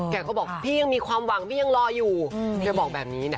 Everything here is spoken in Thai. เขาบอกพี่ยังมีความหวังพี่ยังรออยู่พี่เขาบอกแบบนี้เนอะ